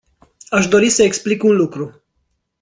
Aș dori să explic un lucru.